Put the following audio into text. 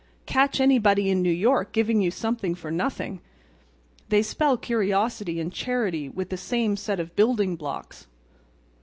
Catch anybody in New York giving you something for nothing! They spell curiosity and charity with the same set of building blocks.